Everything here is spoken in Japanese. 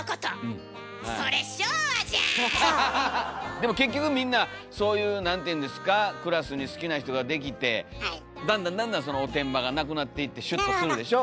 でも結局みんなそういうクラスに好きな人ができてだんだんだんだんそのおてんばがなくなっていってシュッとするでしょ。